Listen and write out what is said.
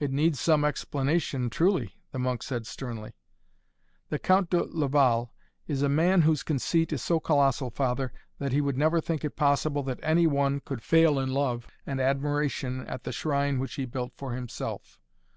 "It needs some explanation truly!" the monk said sternly. "The Count de Laval is a man whose conceit is so colossal, father, that he would never think it possible that any one could fail in love and admiration at the shrine which he built for himself.